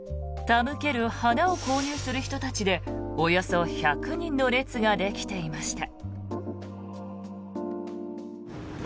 手向ける花を購入する人たちでおよそ１００人の列ができていました。